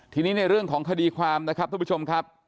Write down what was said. ทีนี้ในเรื่องของคดีความนะครับทุกผู้ชมครับ